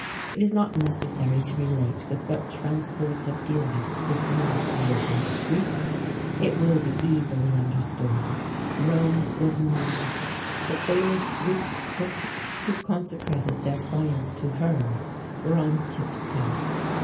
[XVII 14] It is not necessary to relate with what transports of delight this new creation was greeted; it will be easily understood. Rome was moved; the famous Greek cooks, who consecrated their science to her, were on tip toe.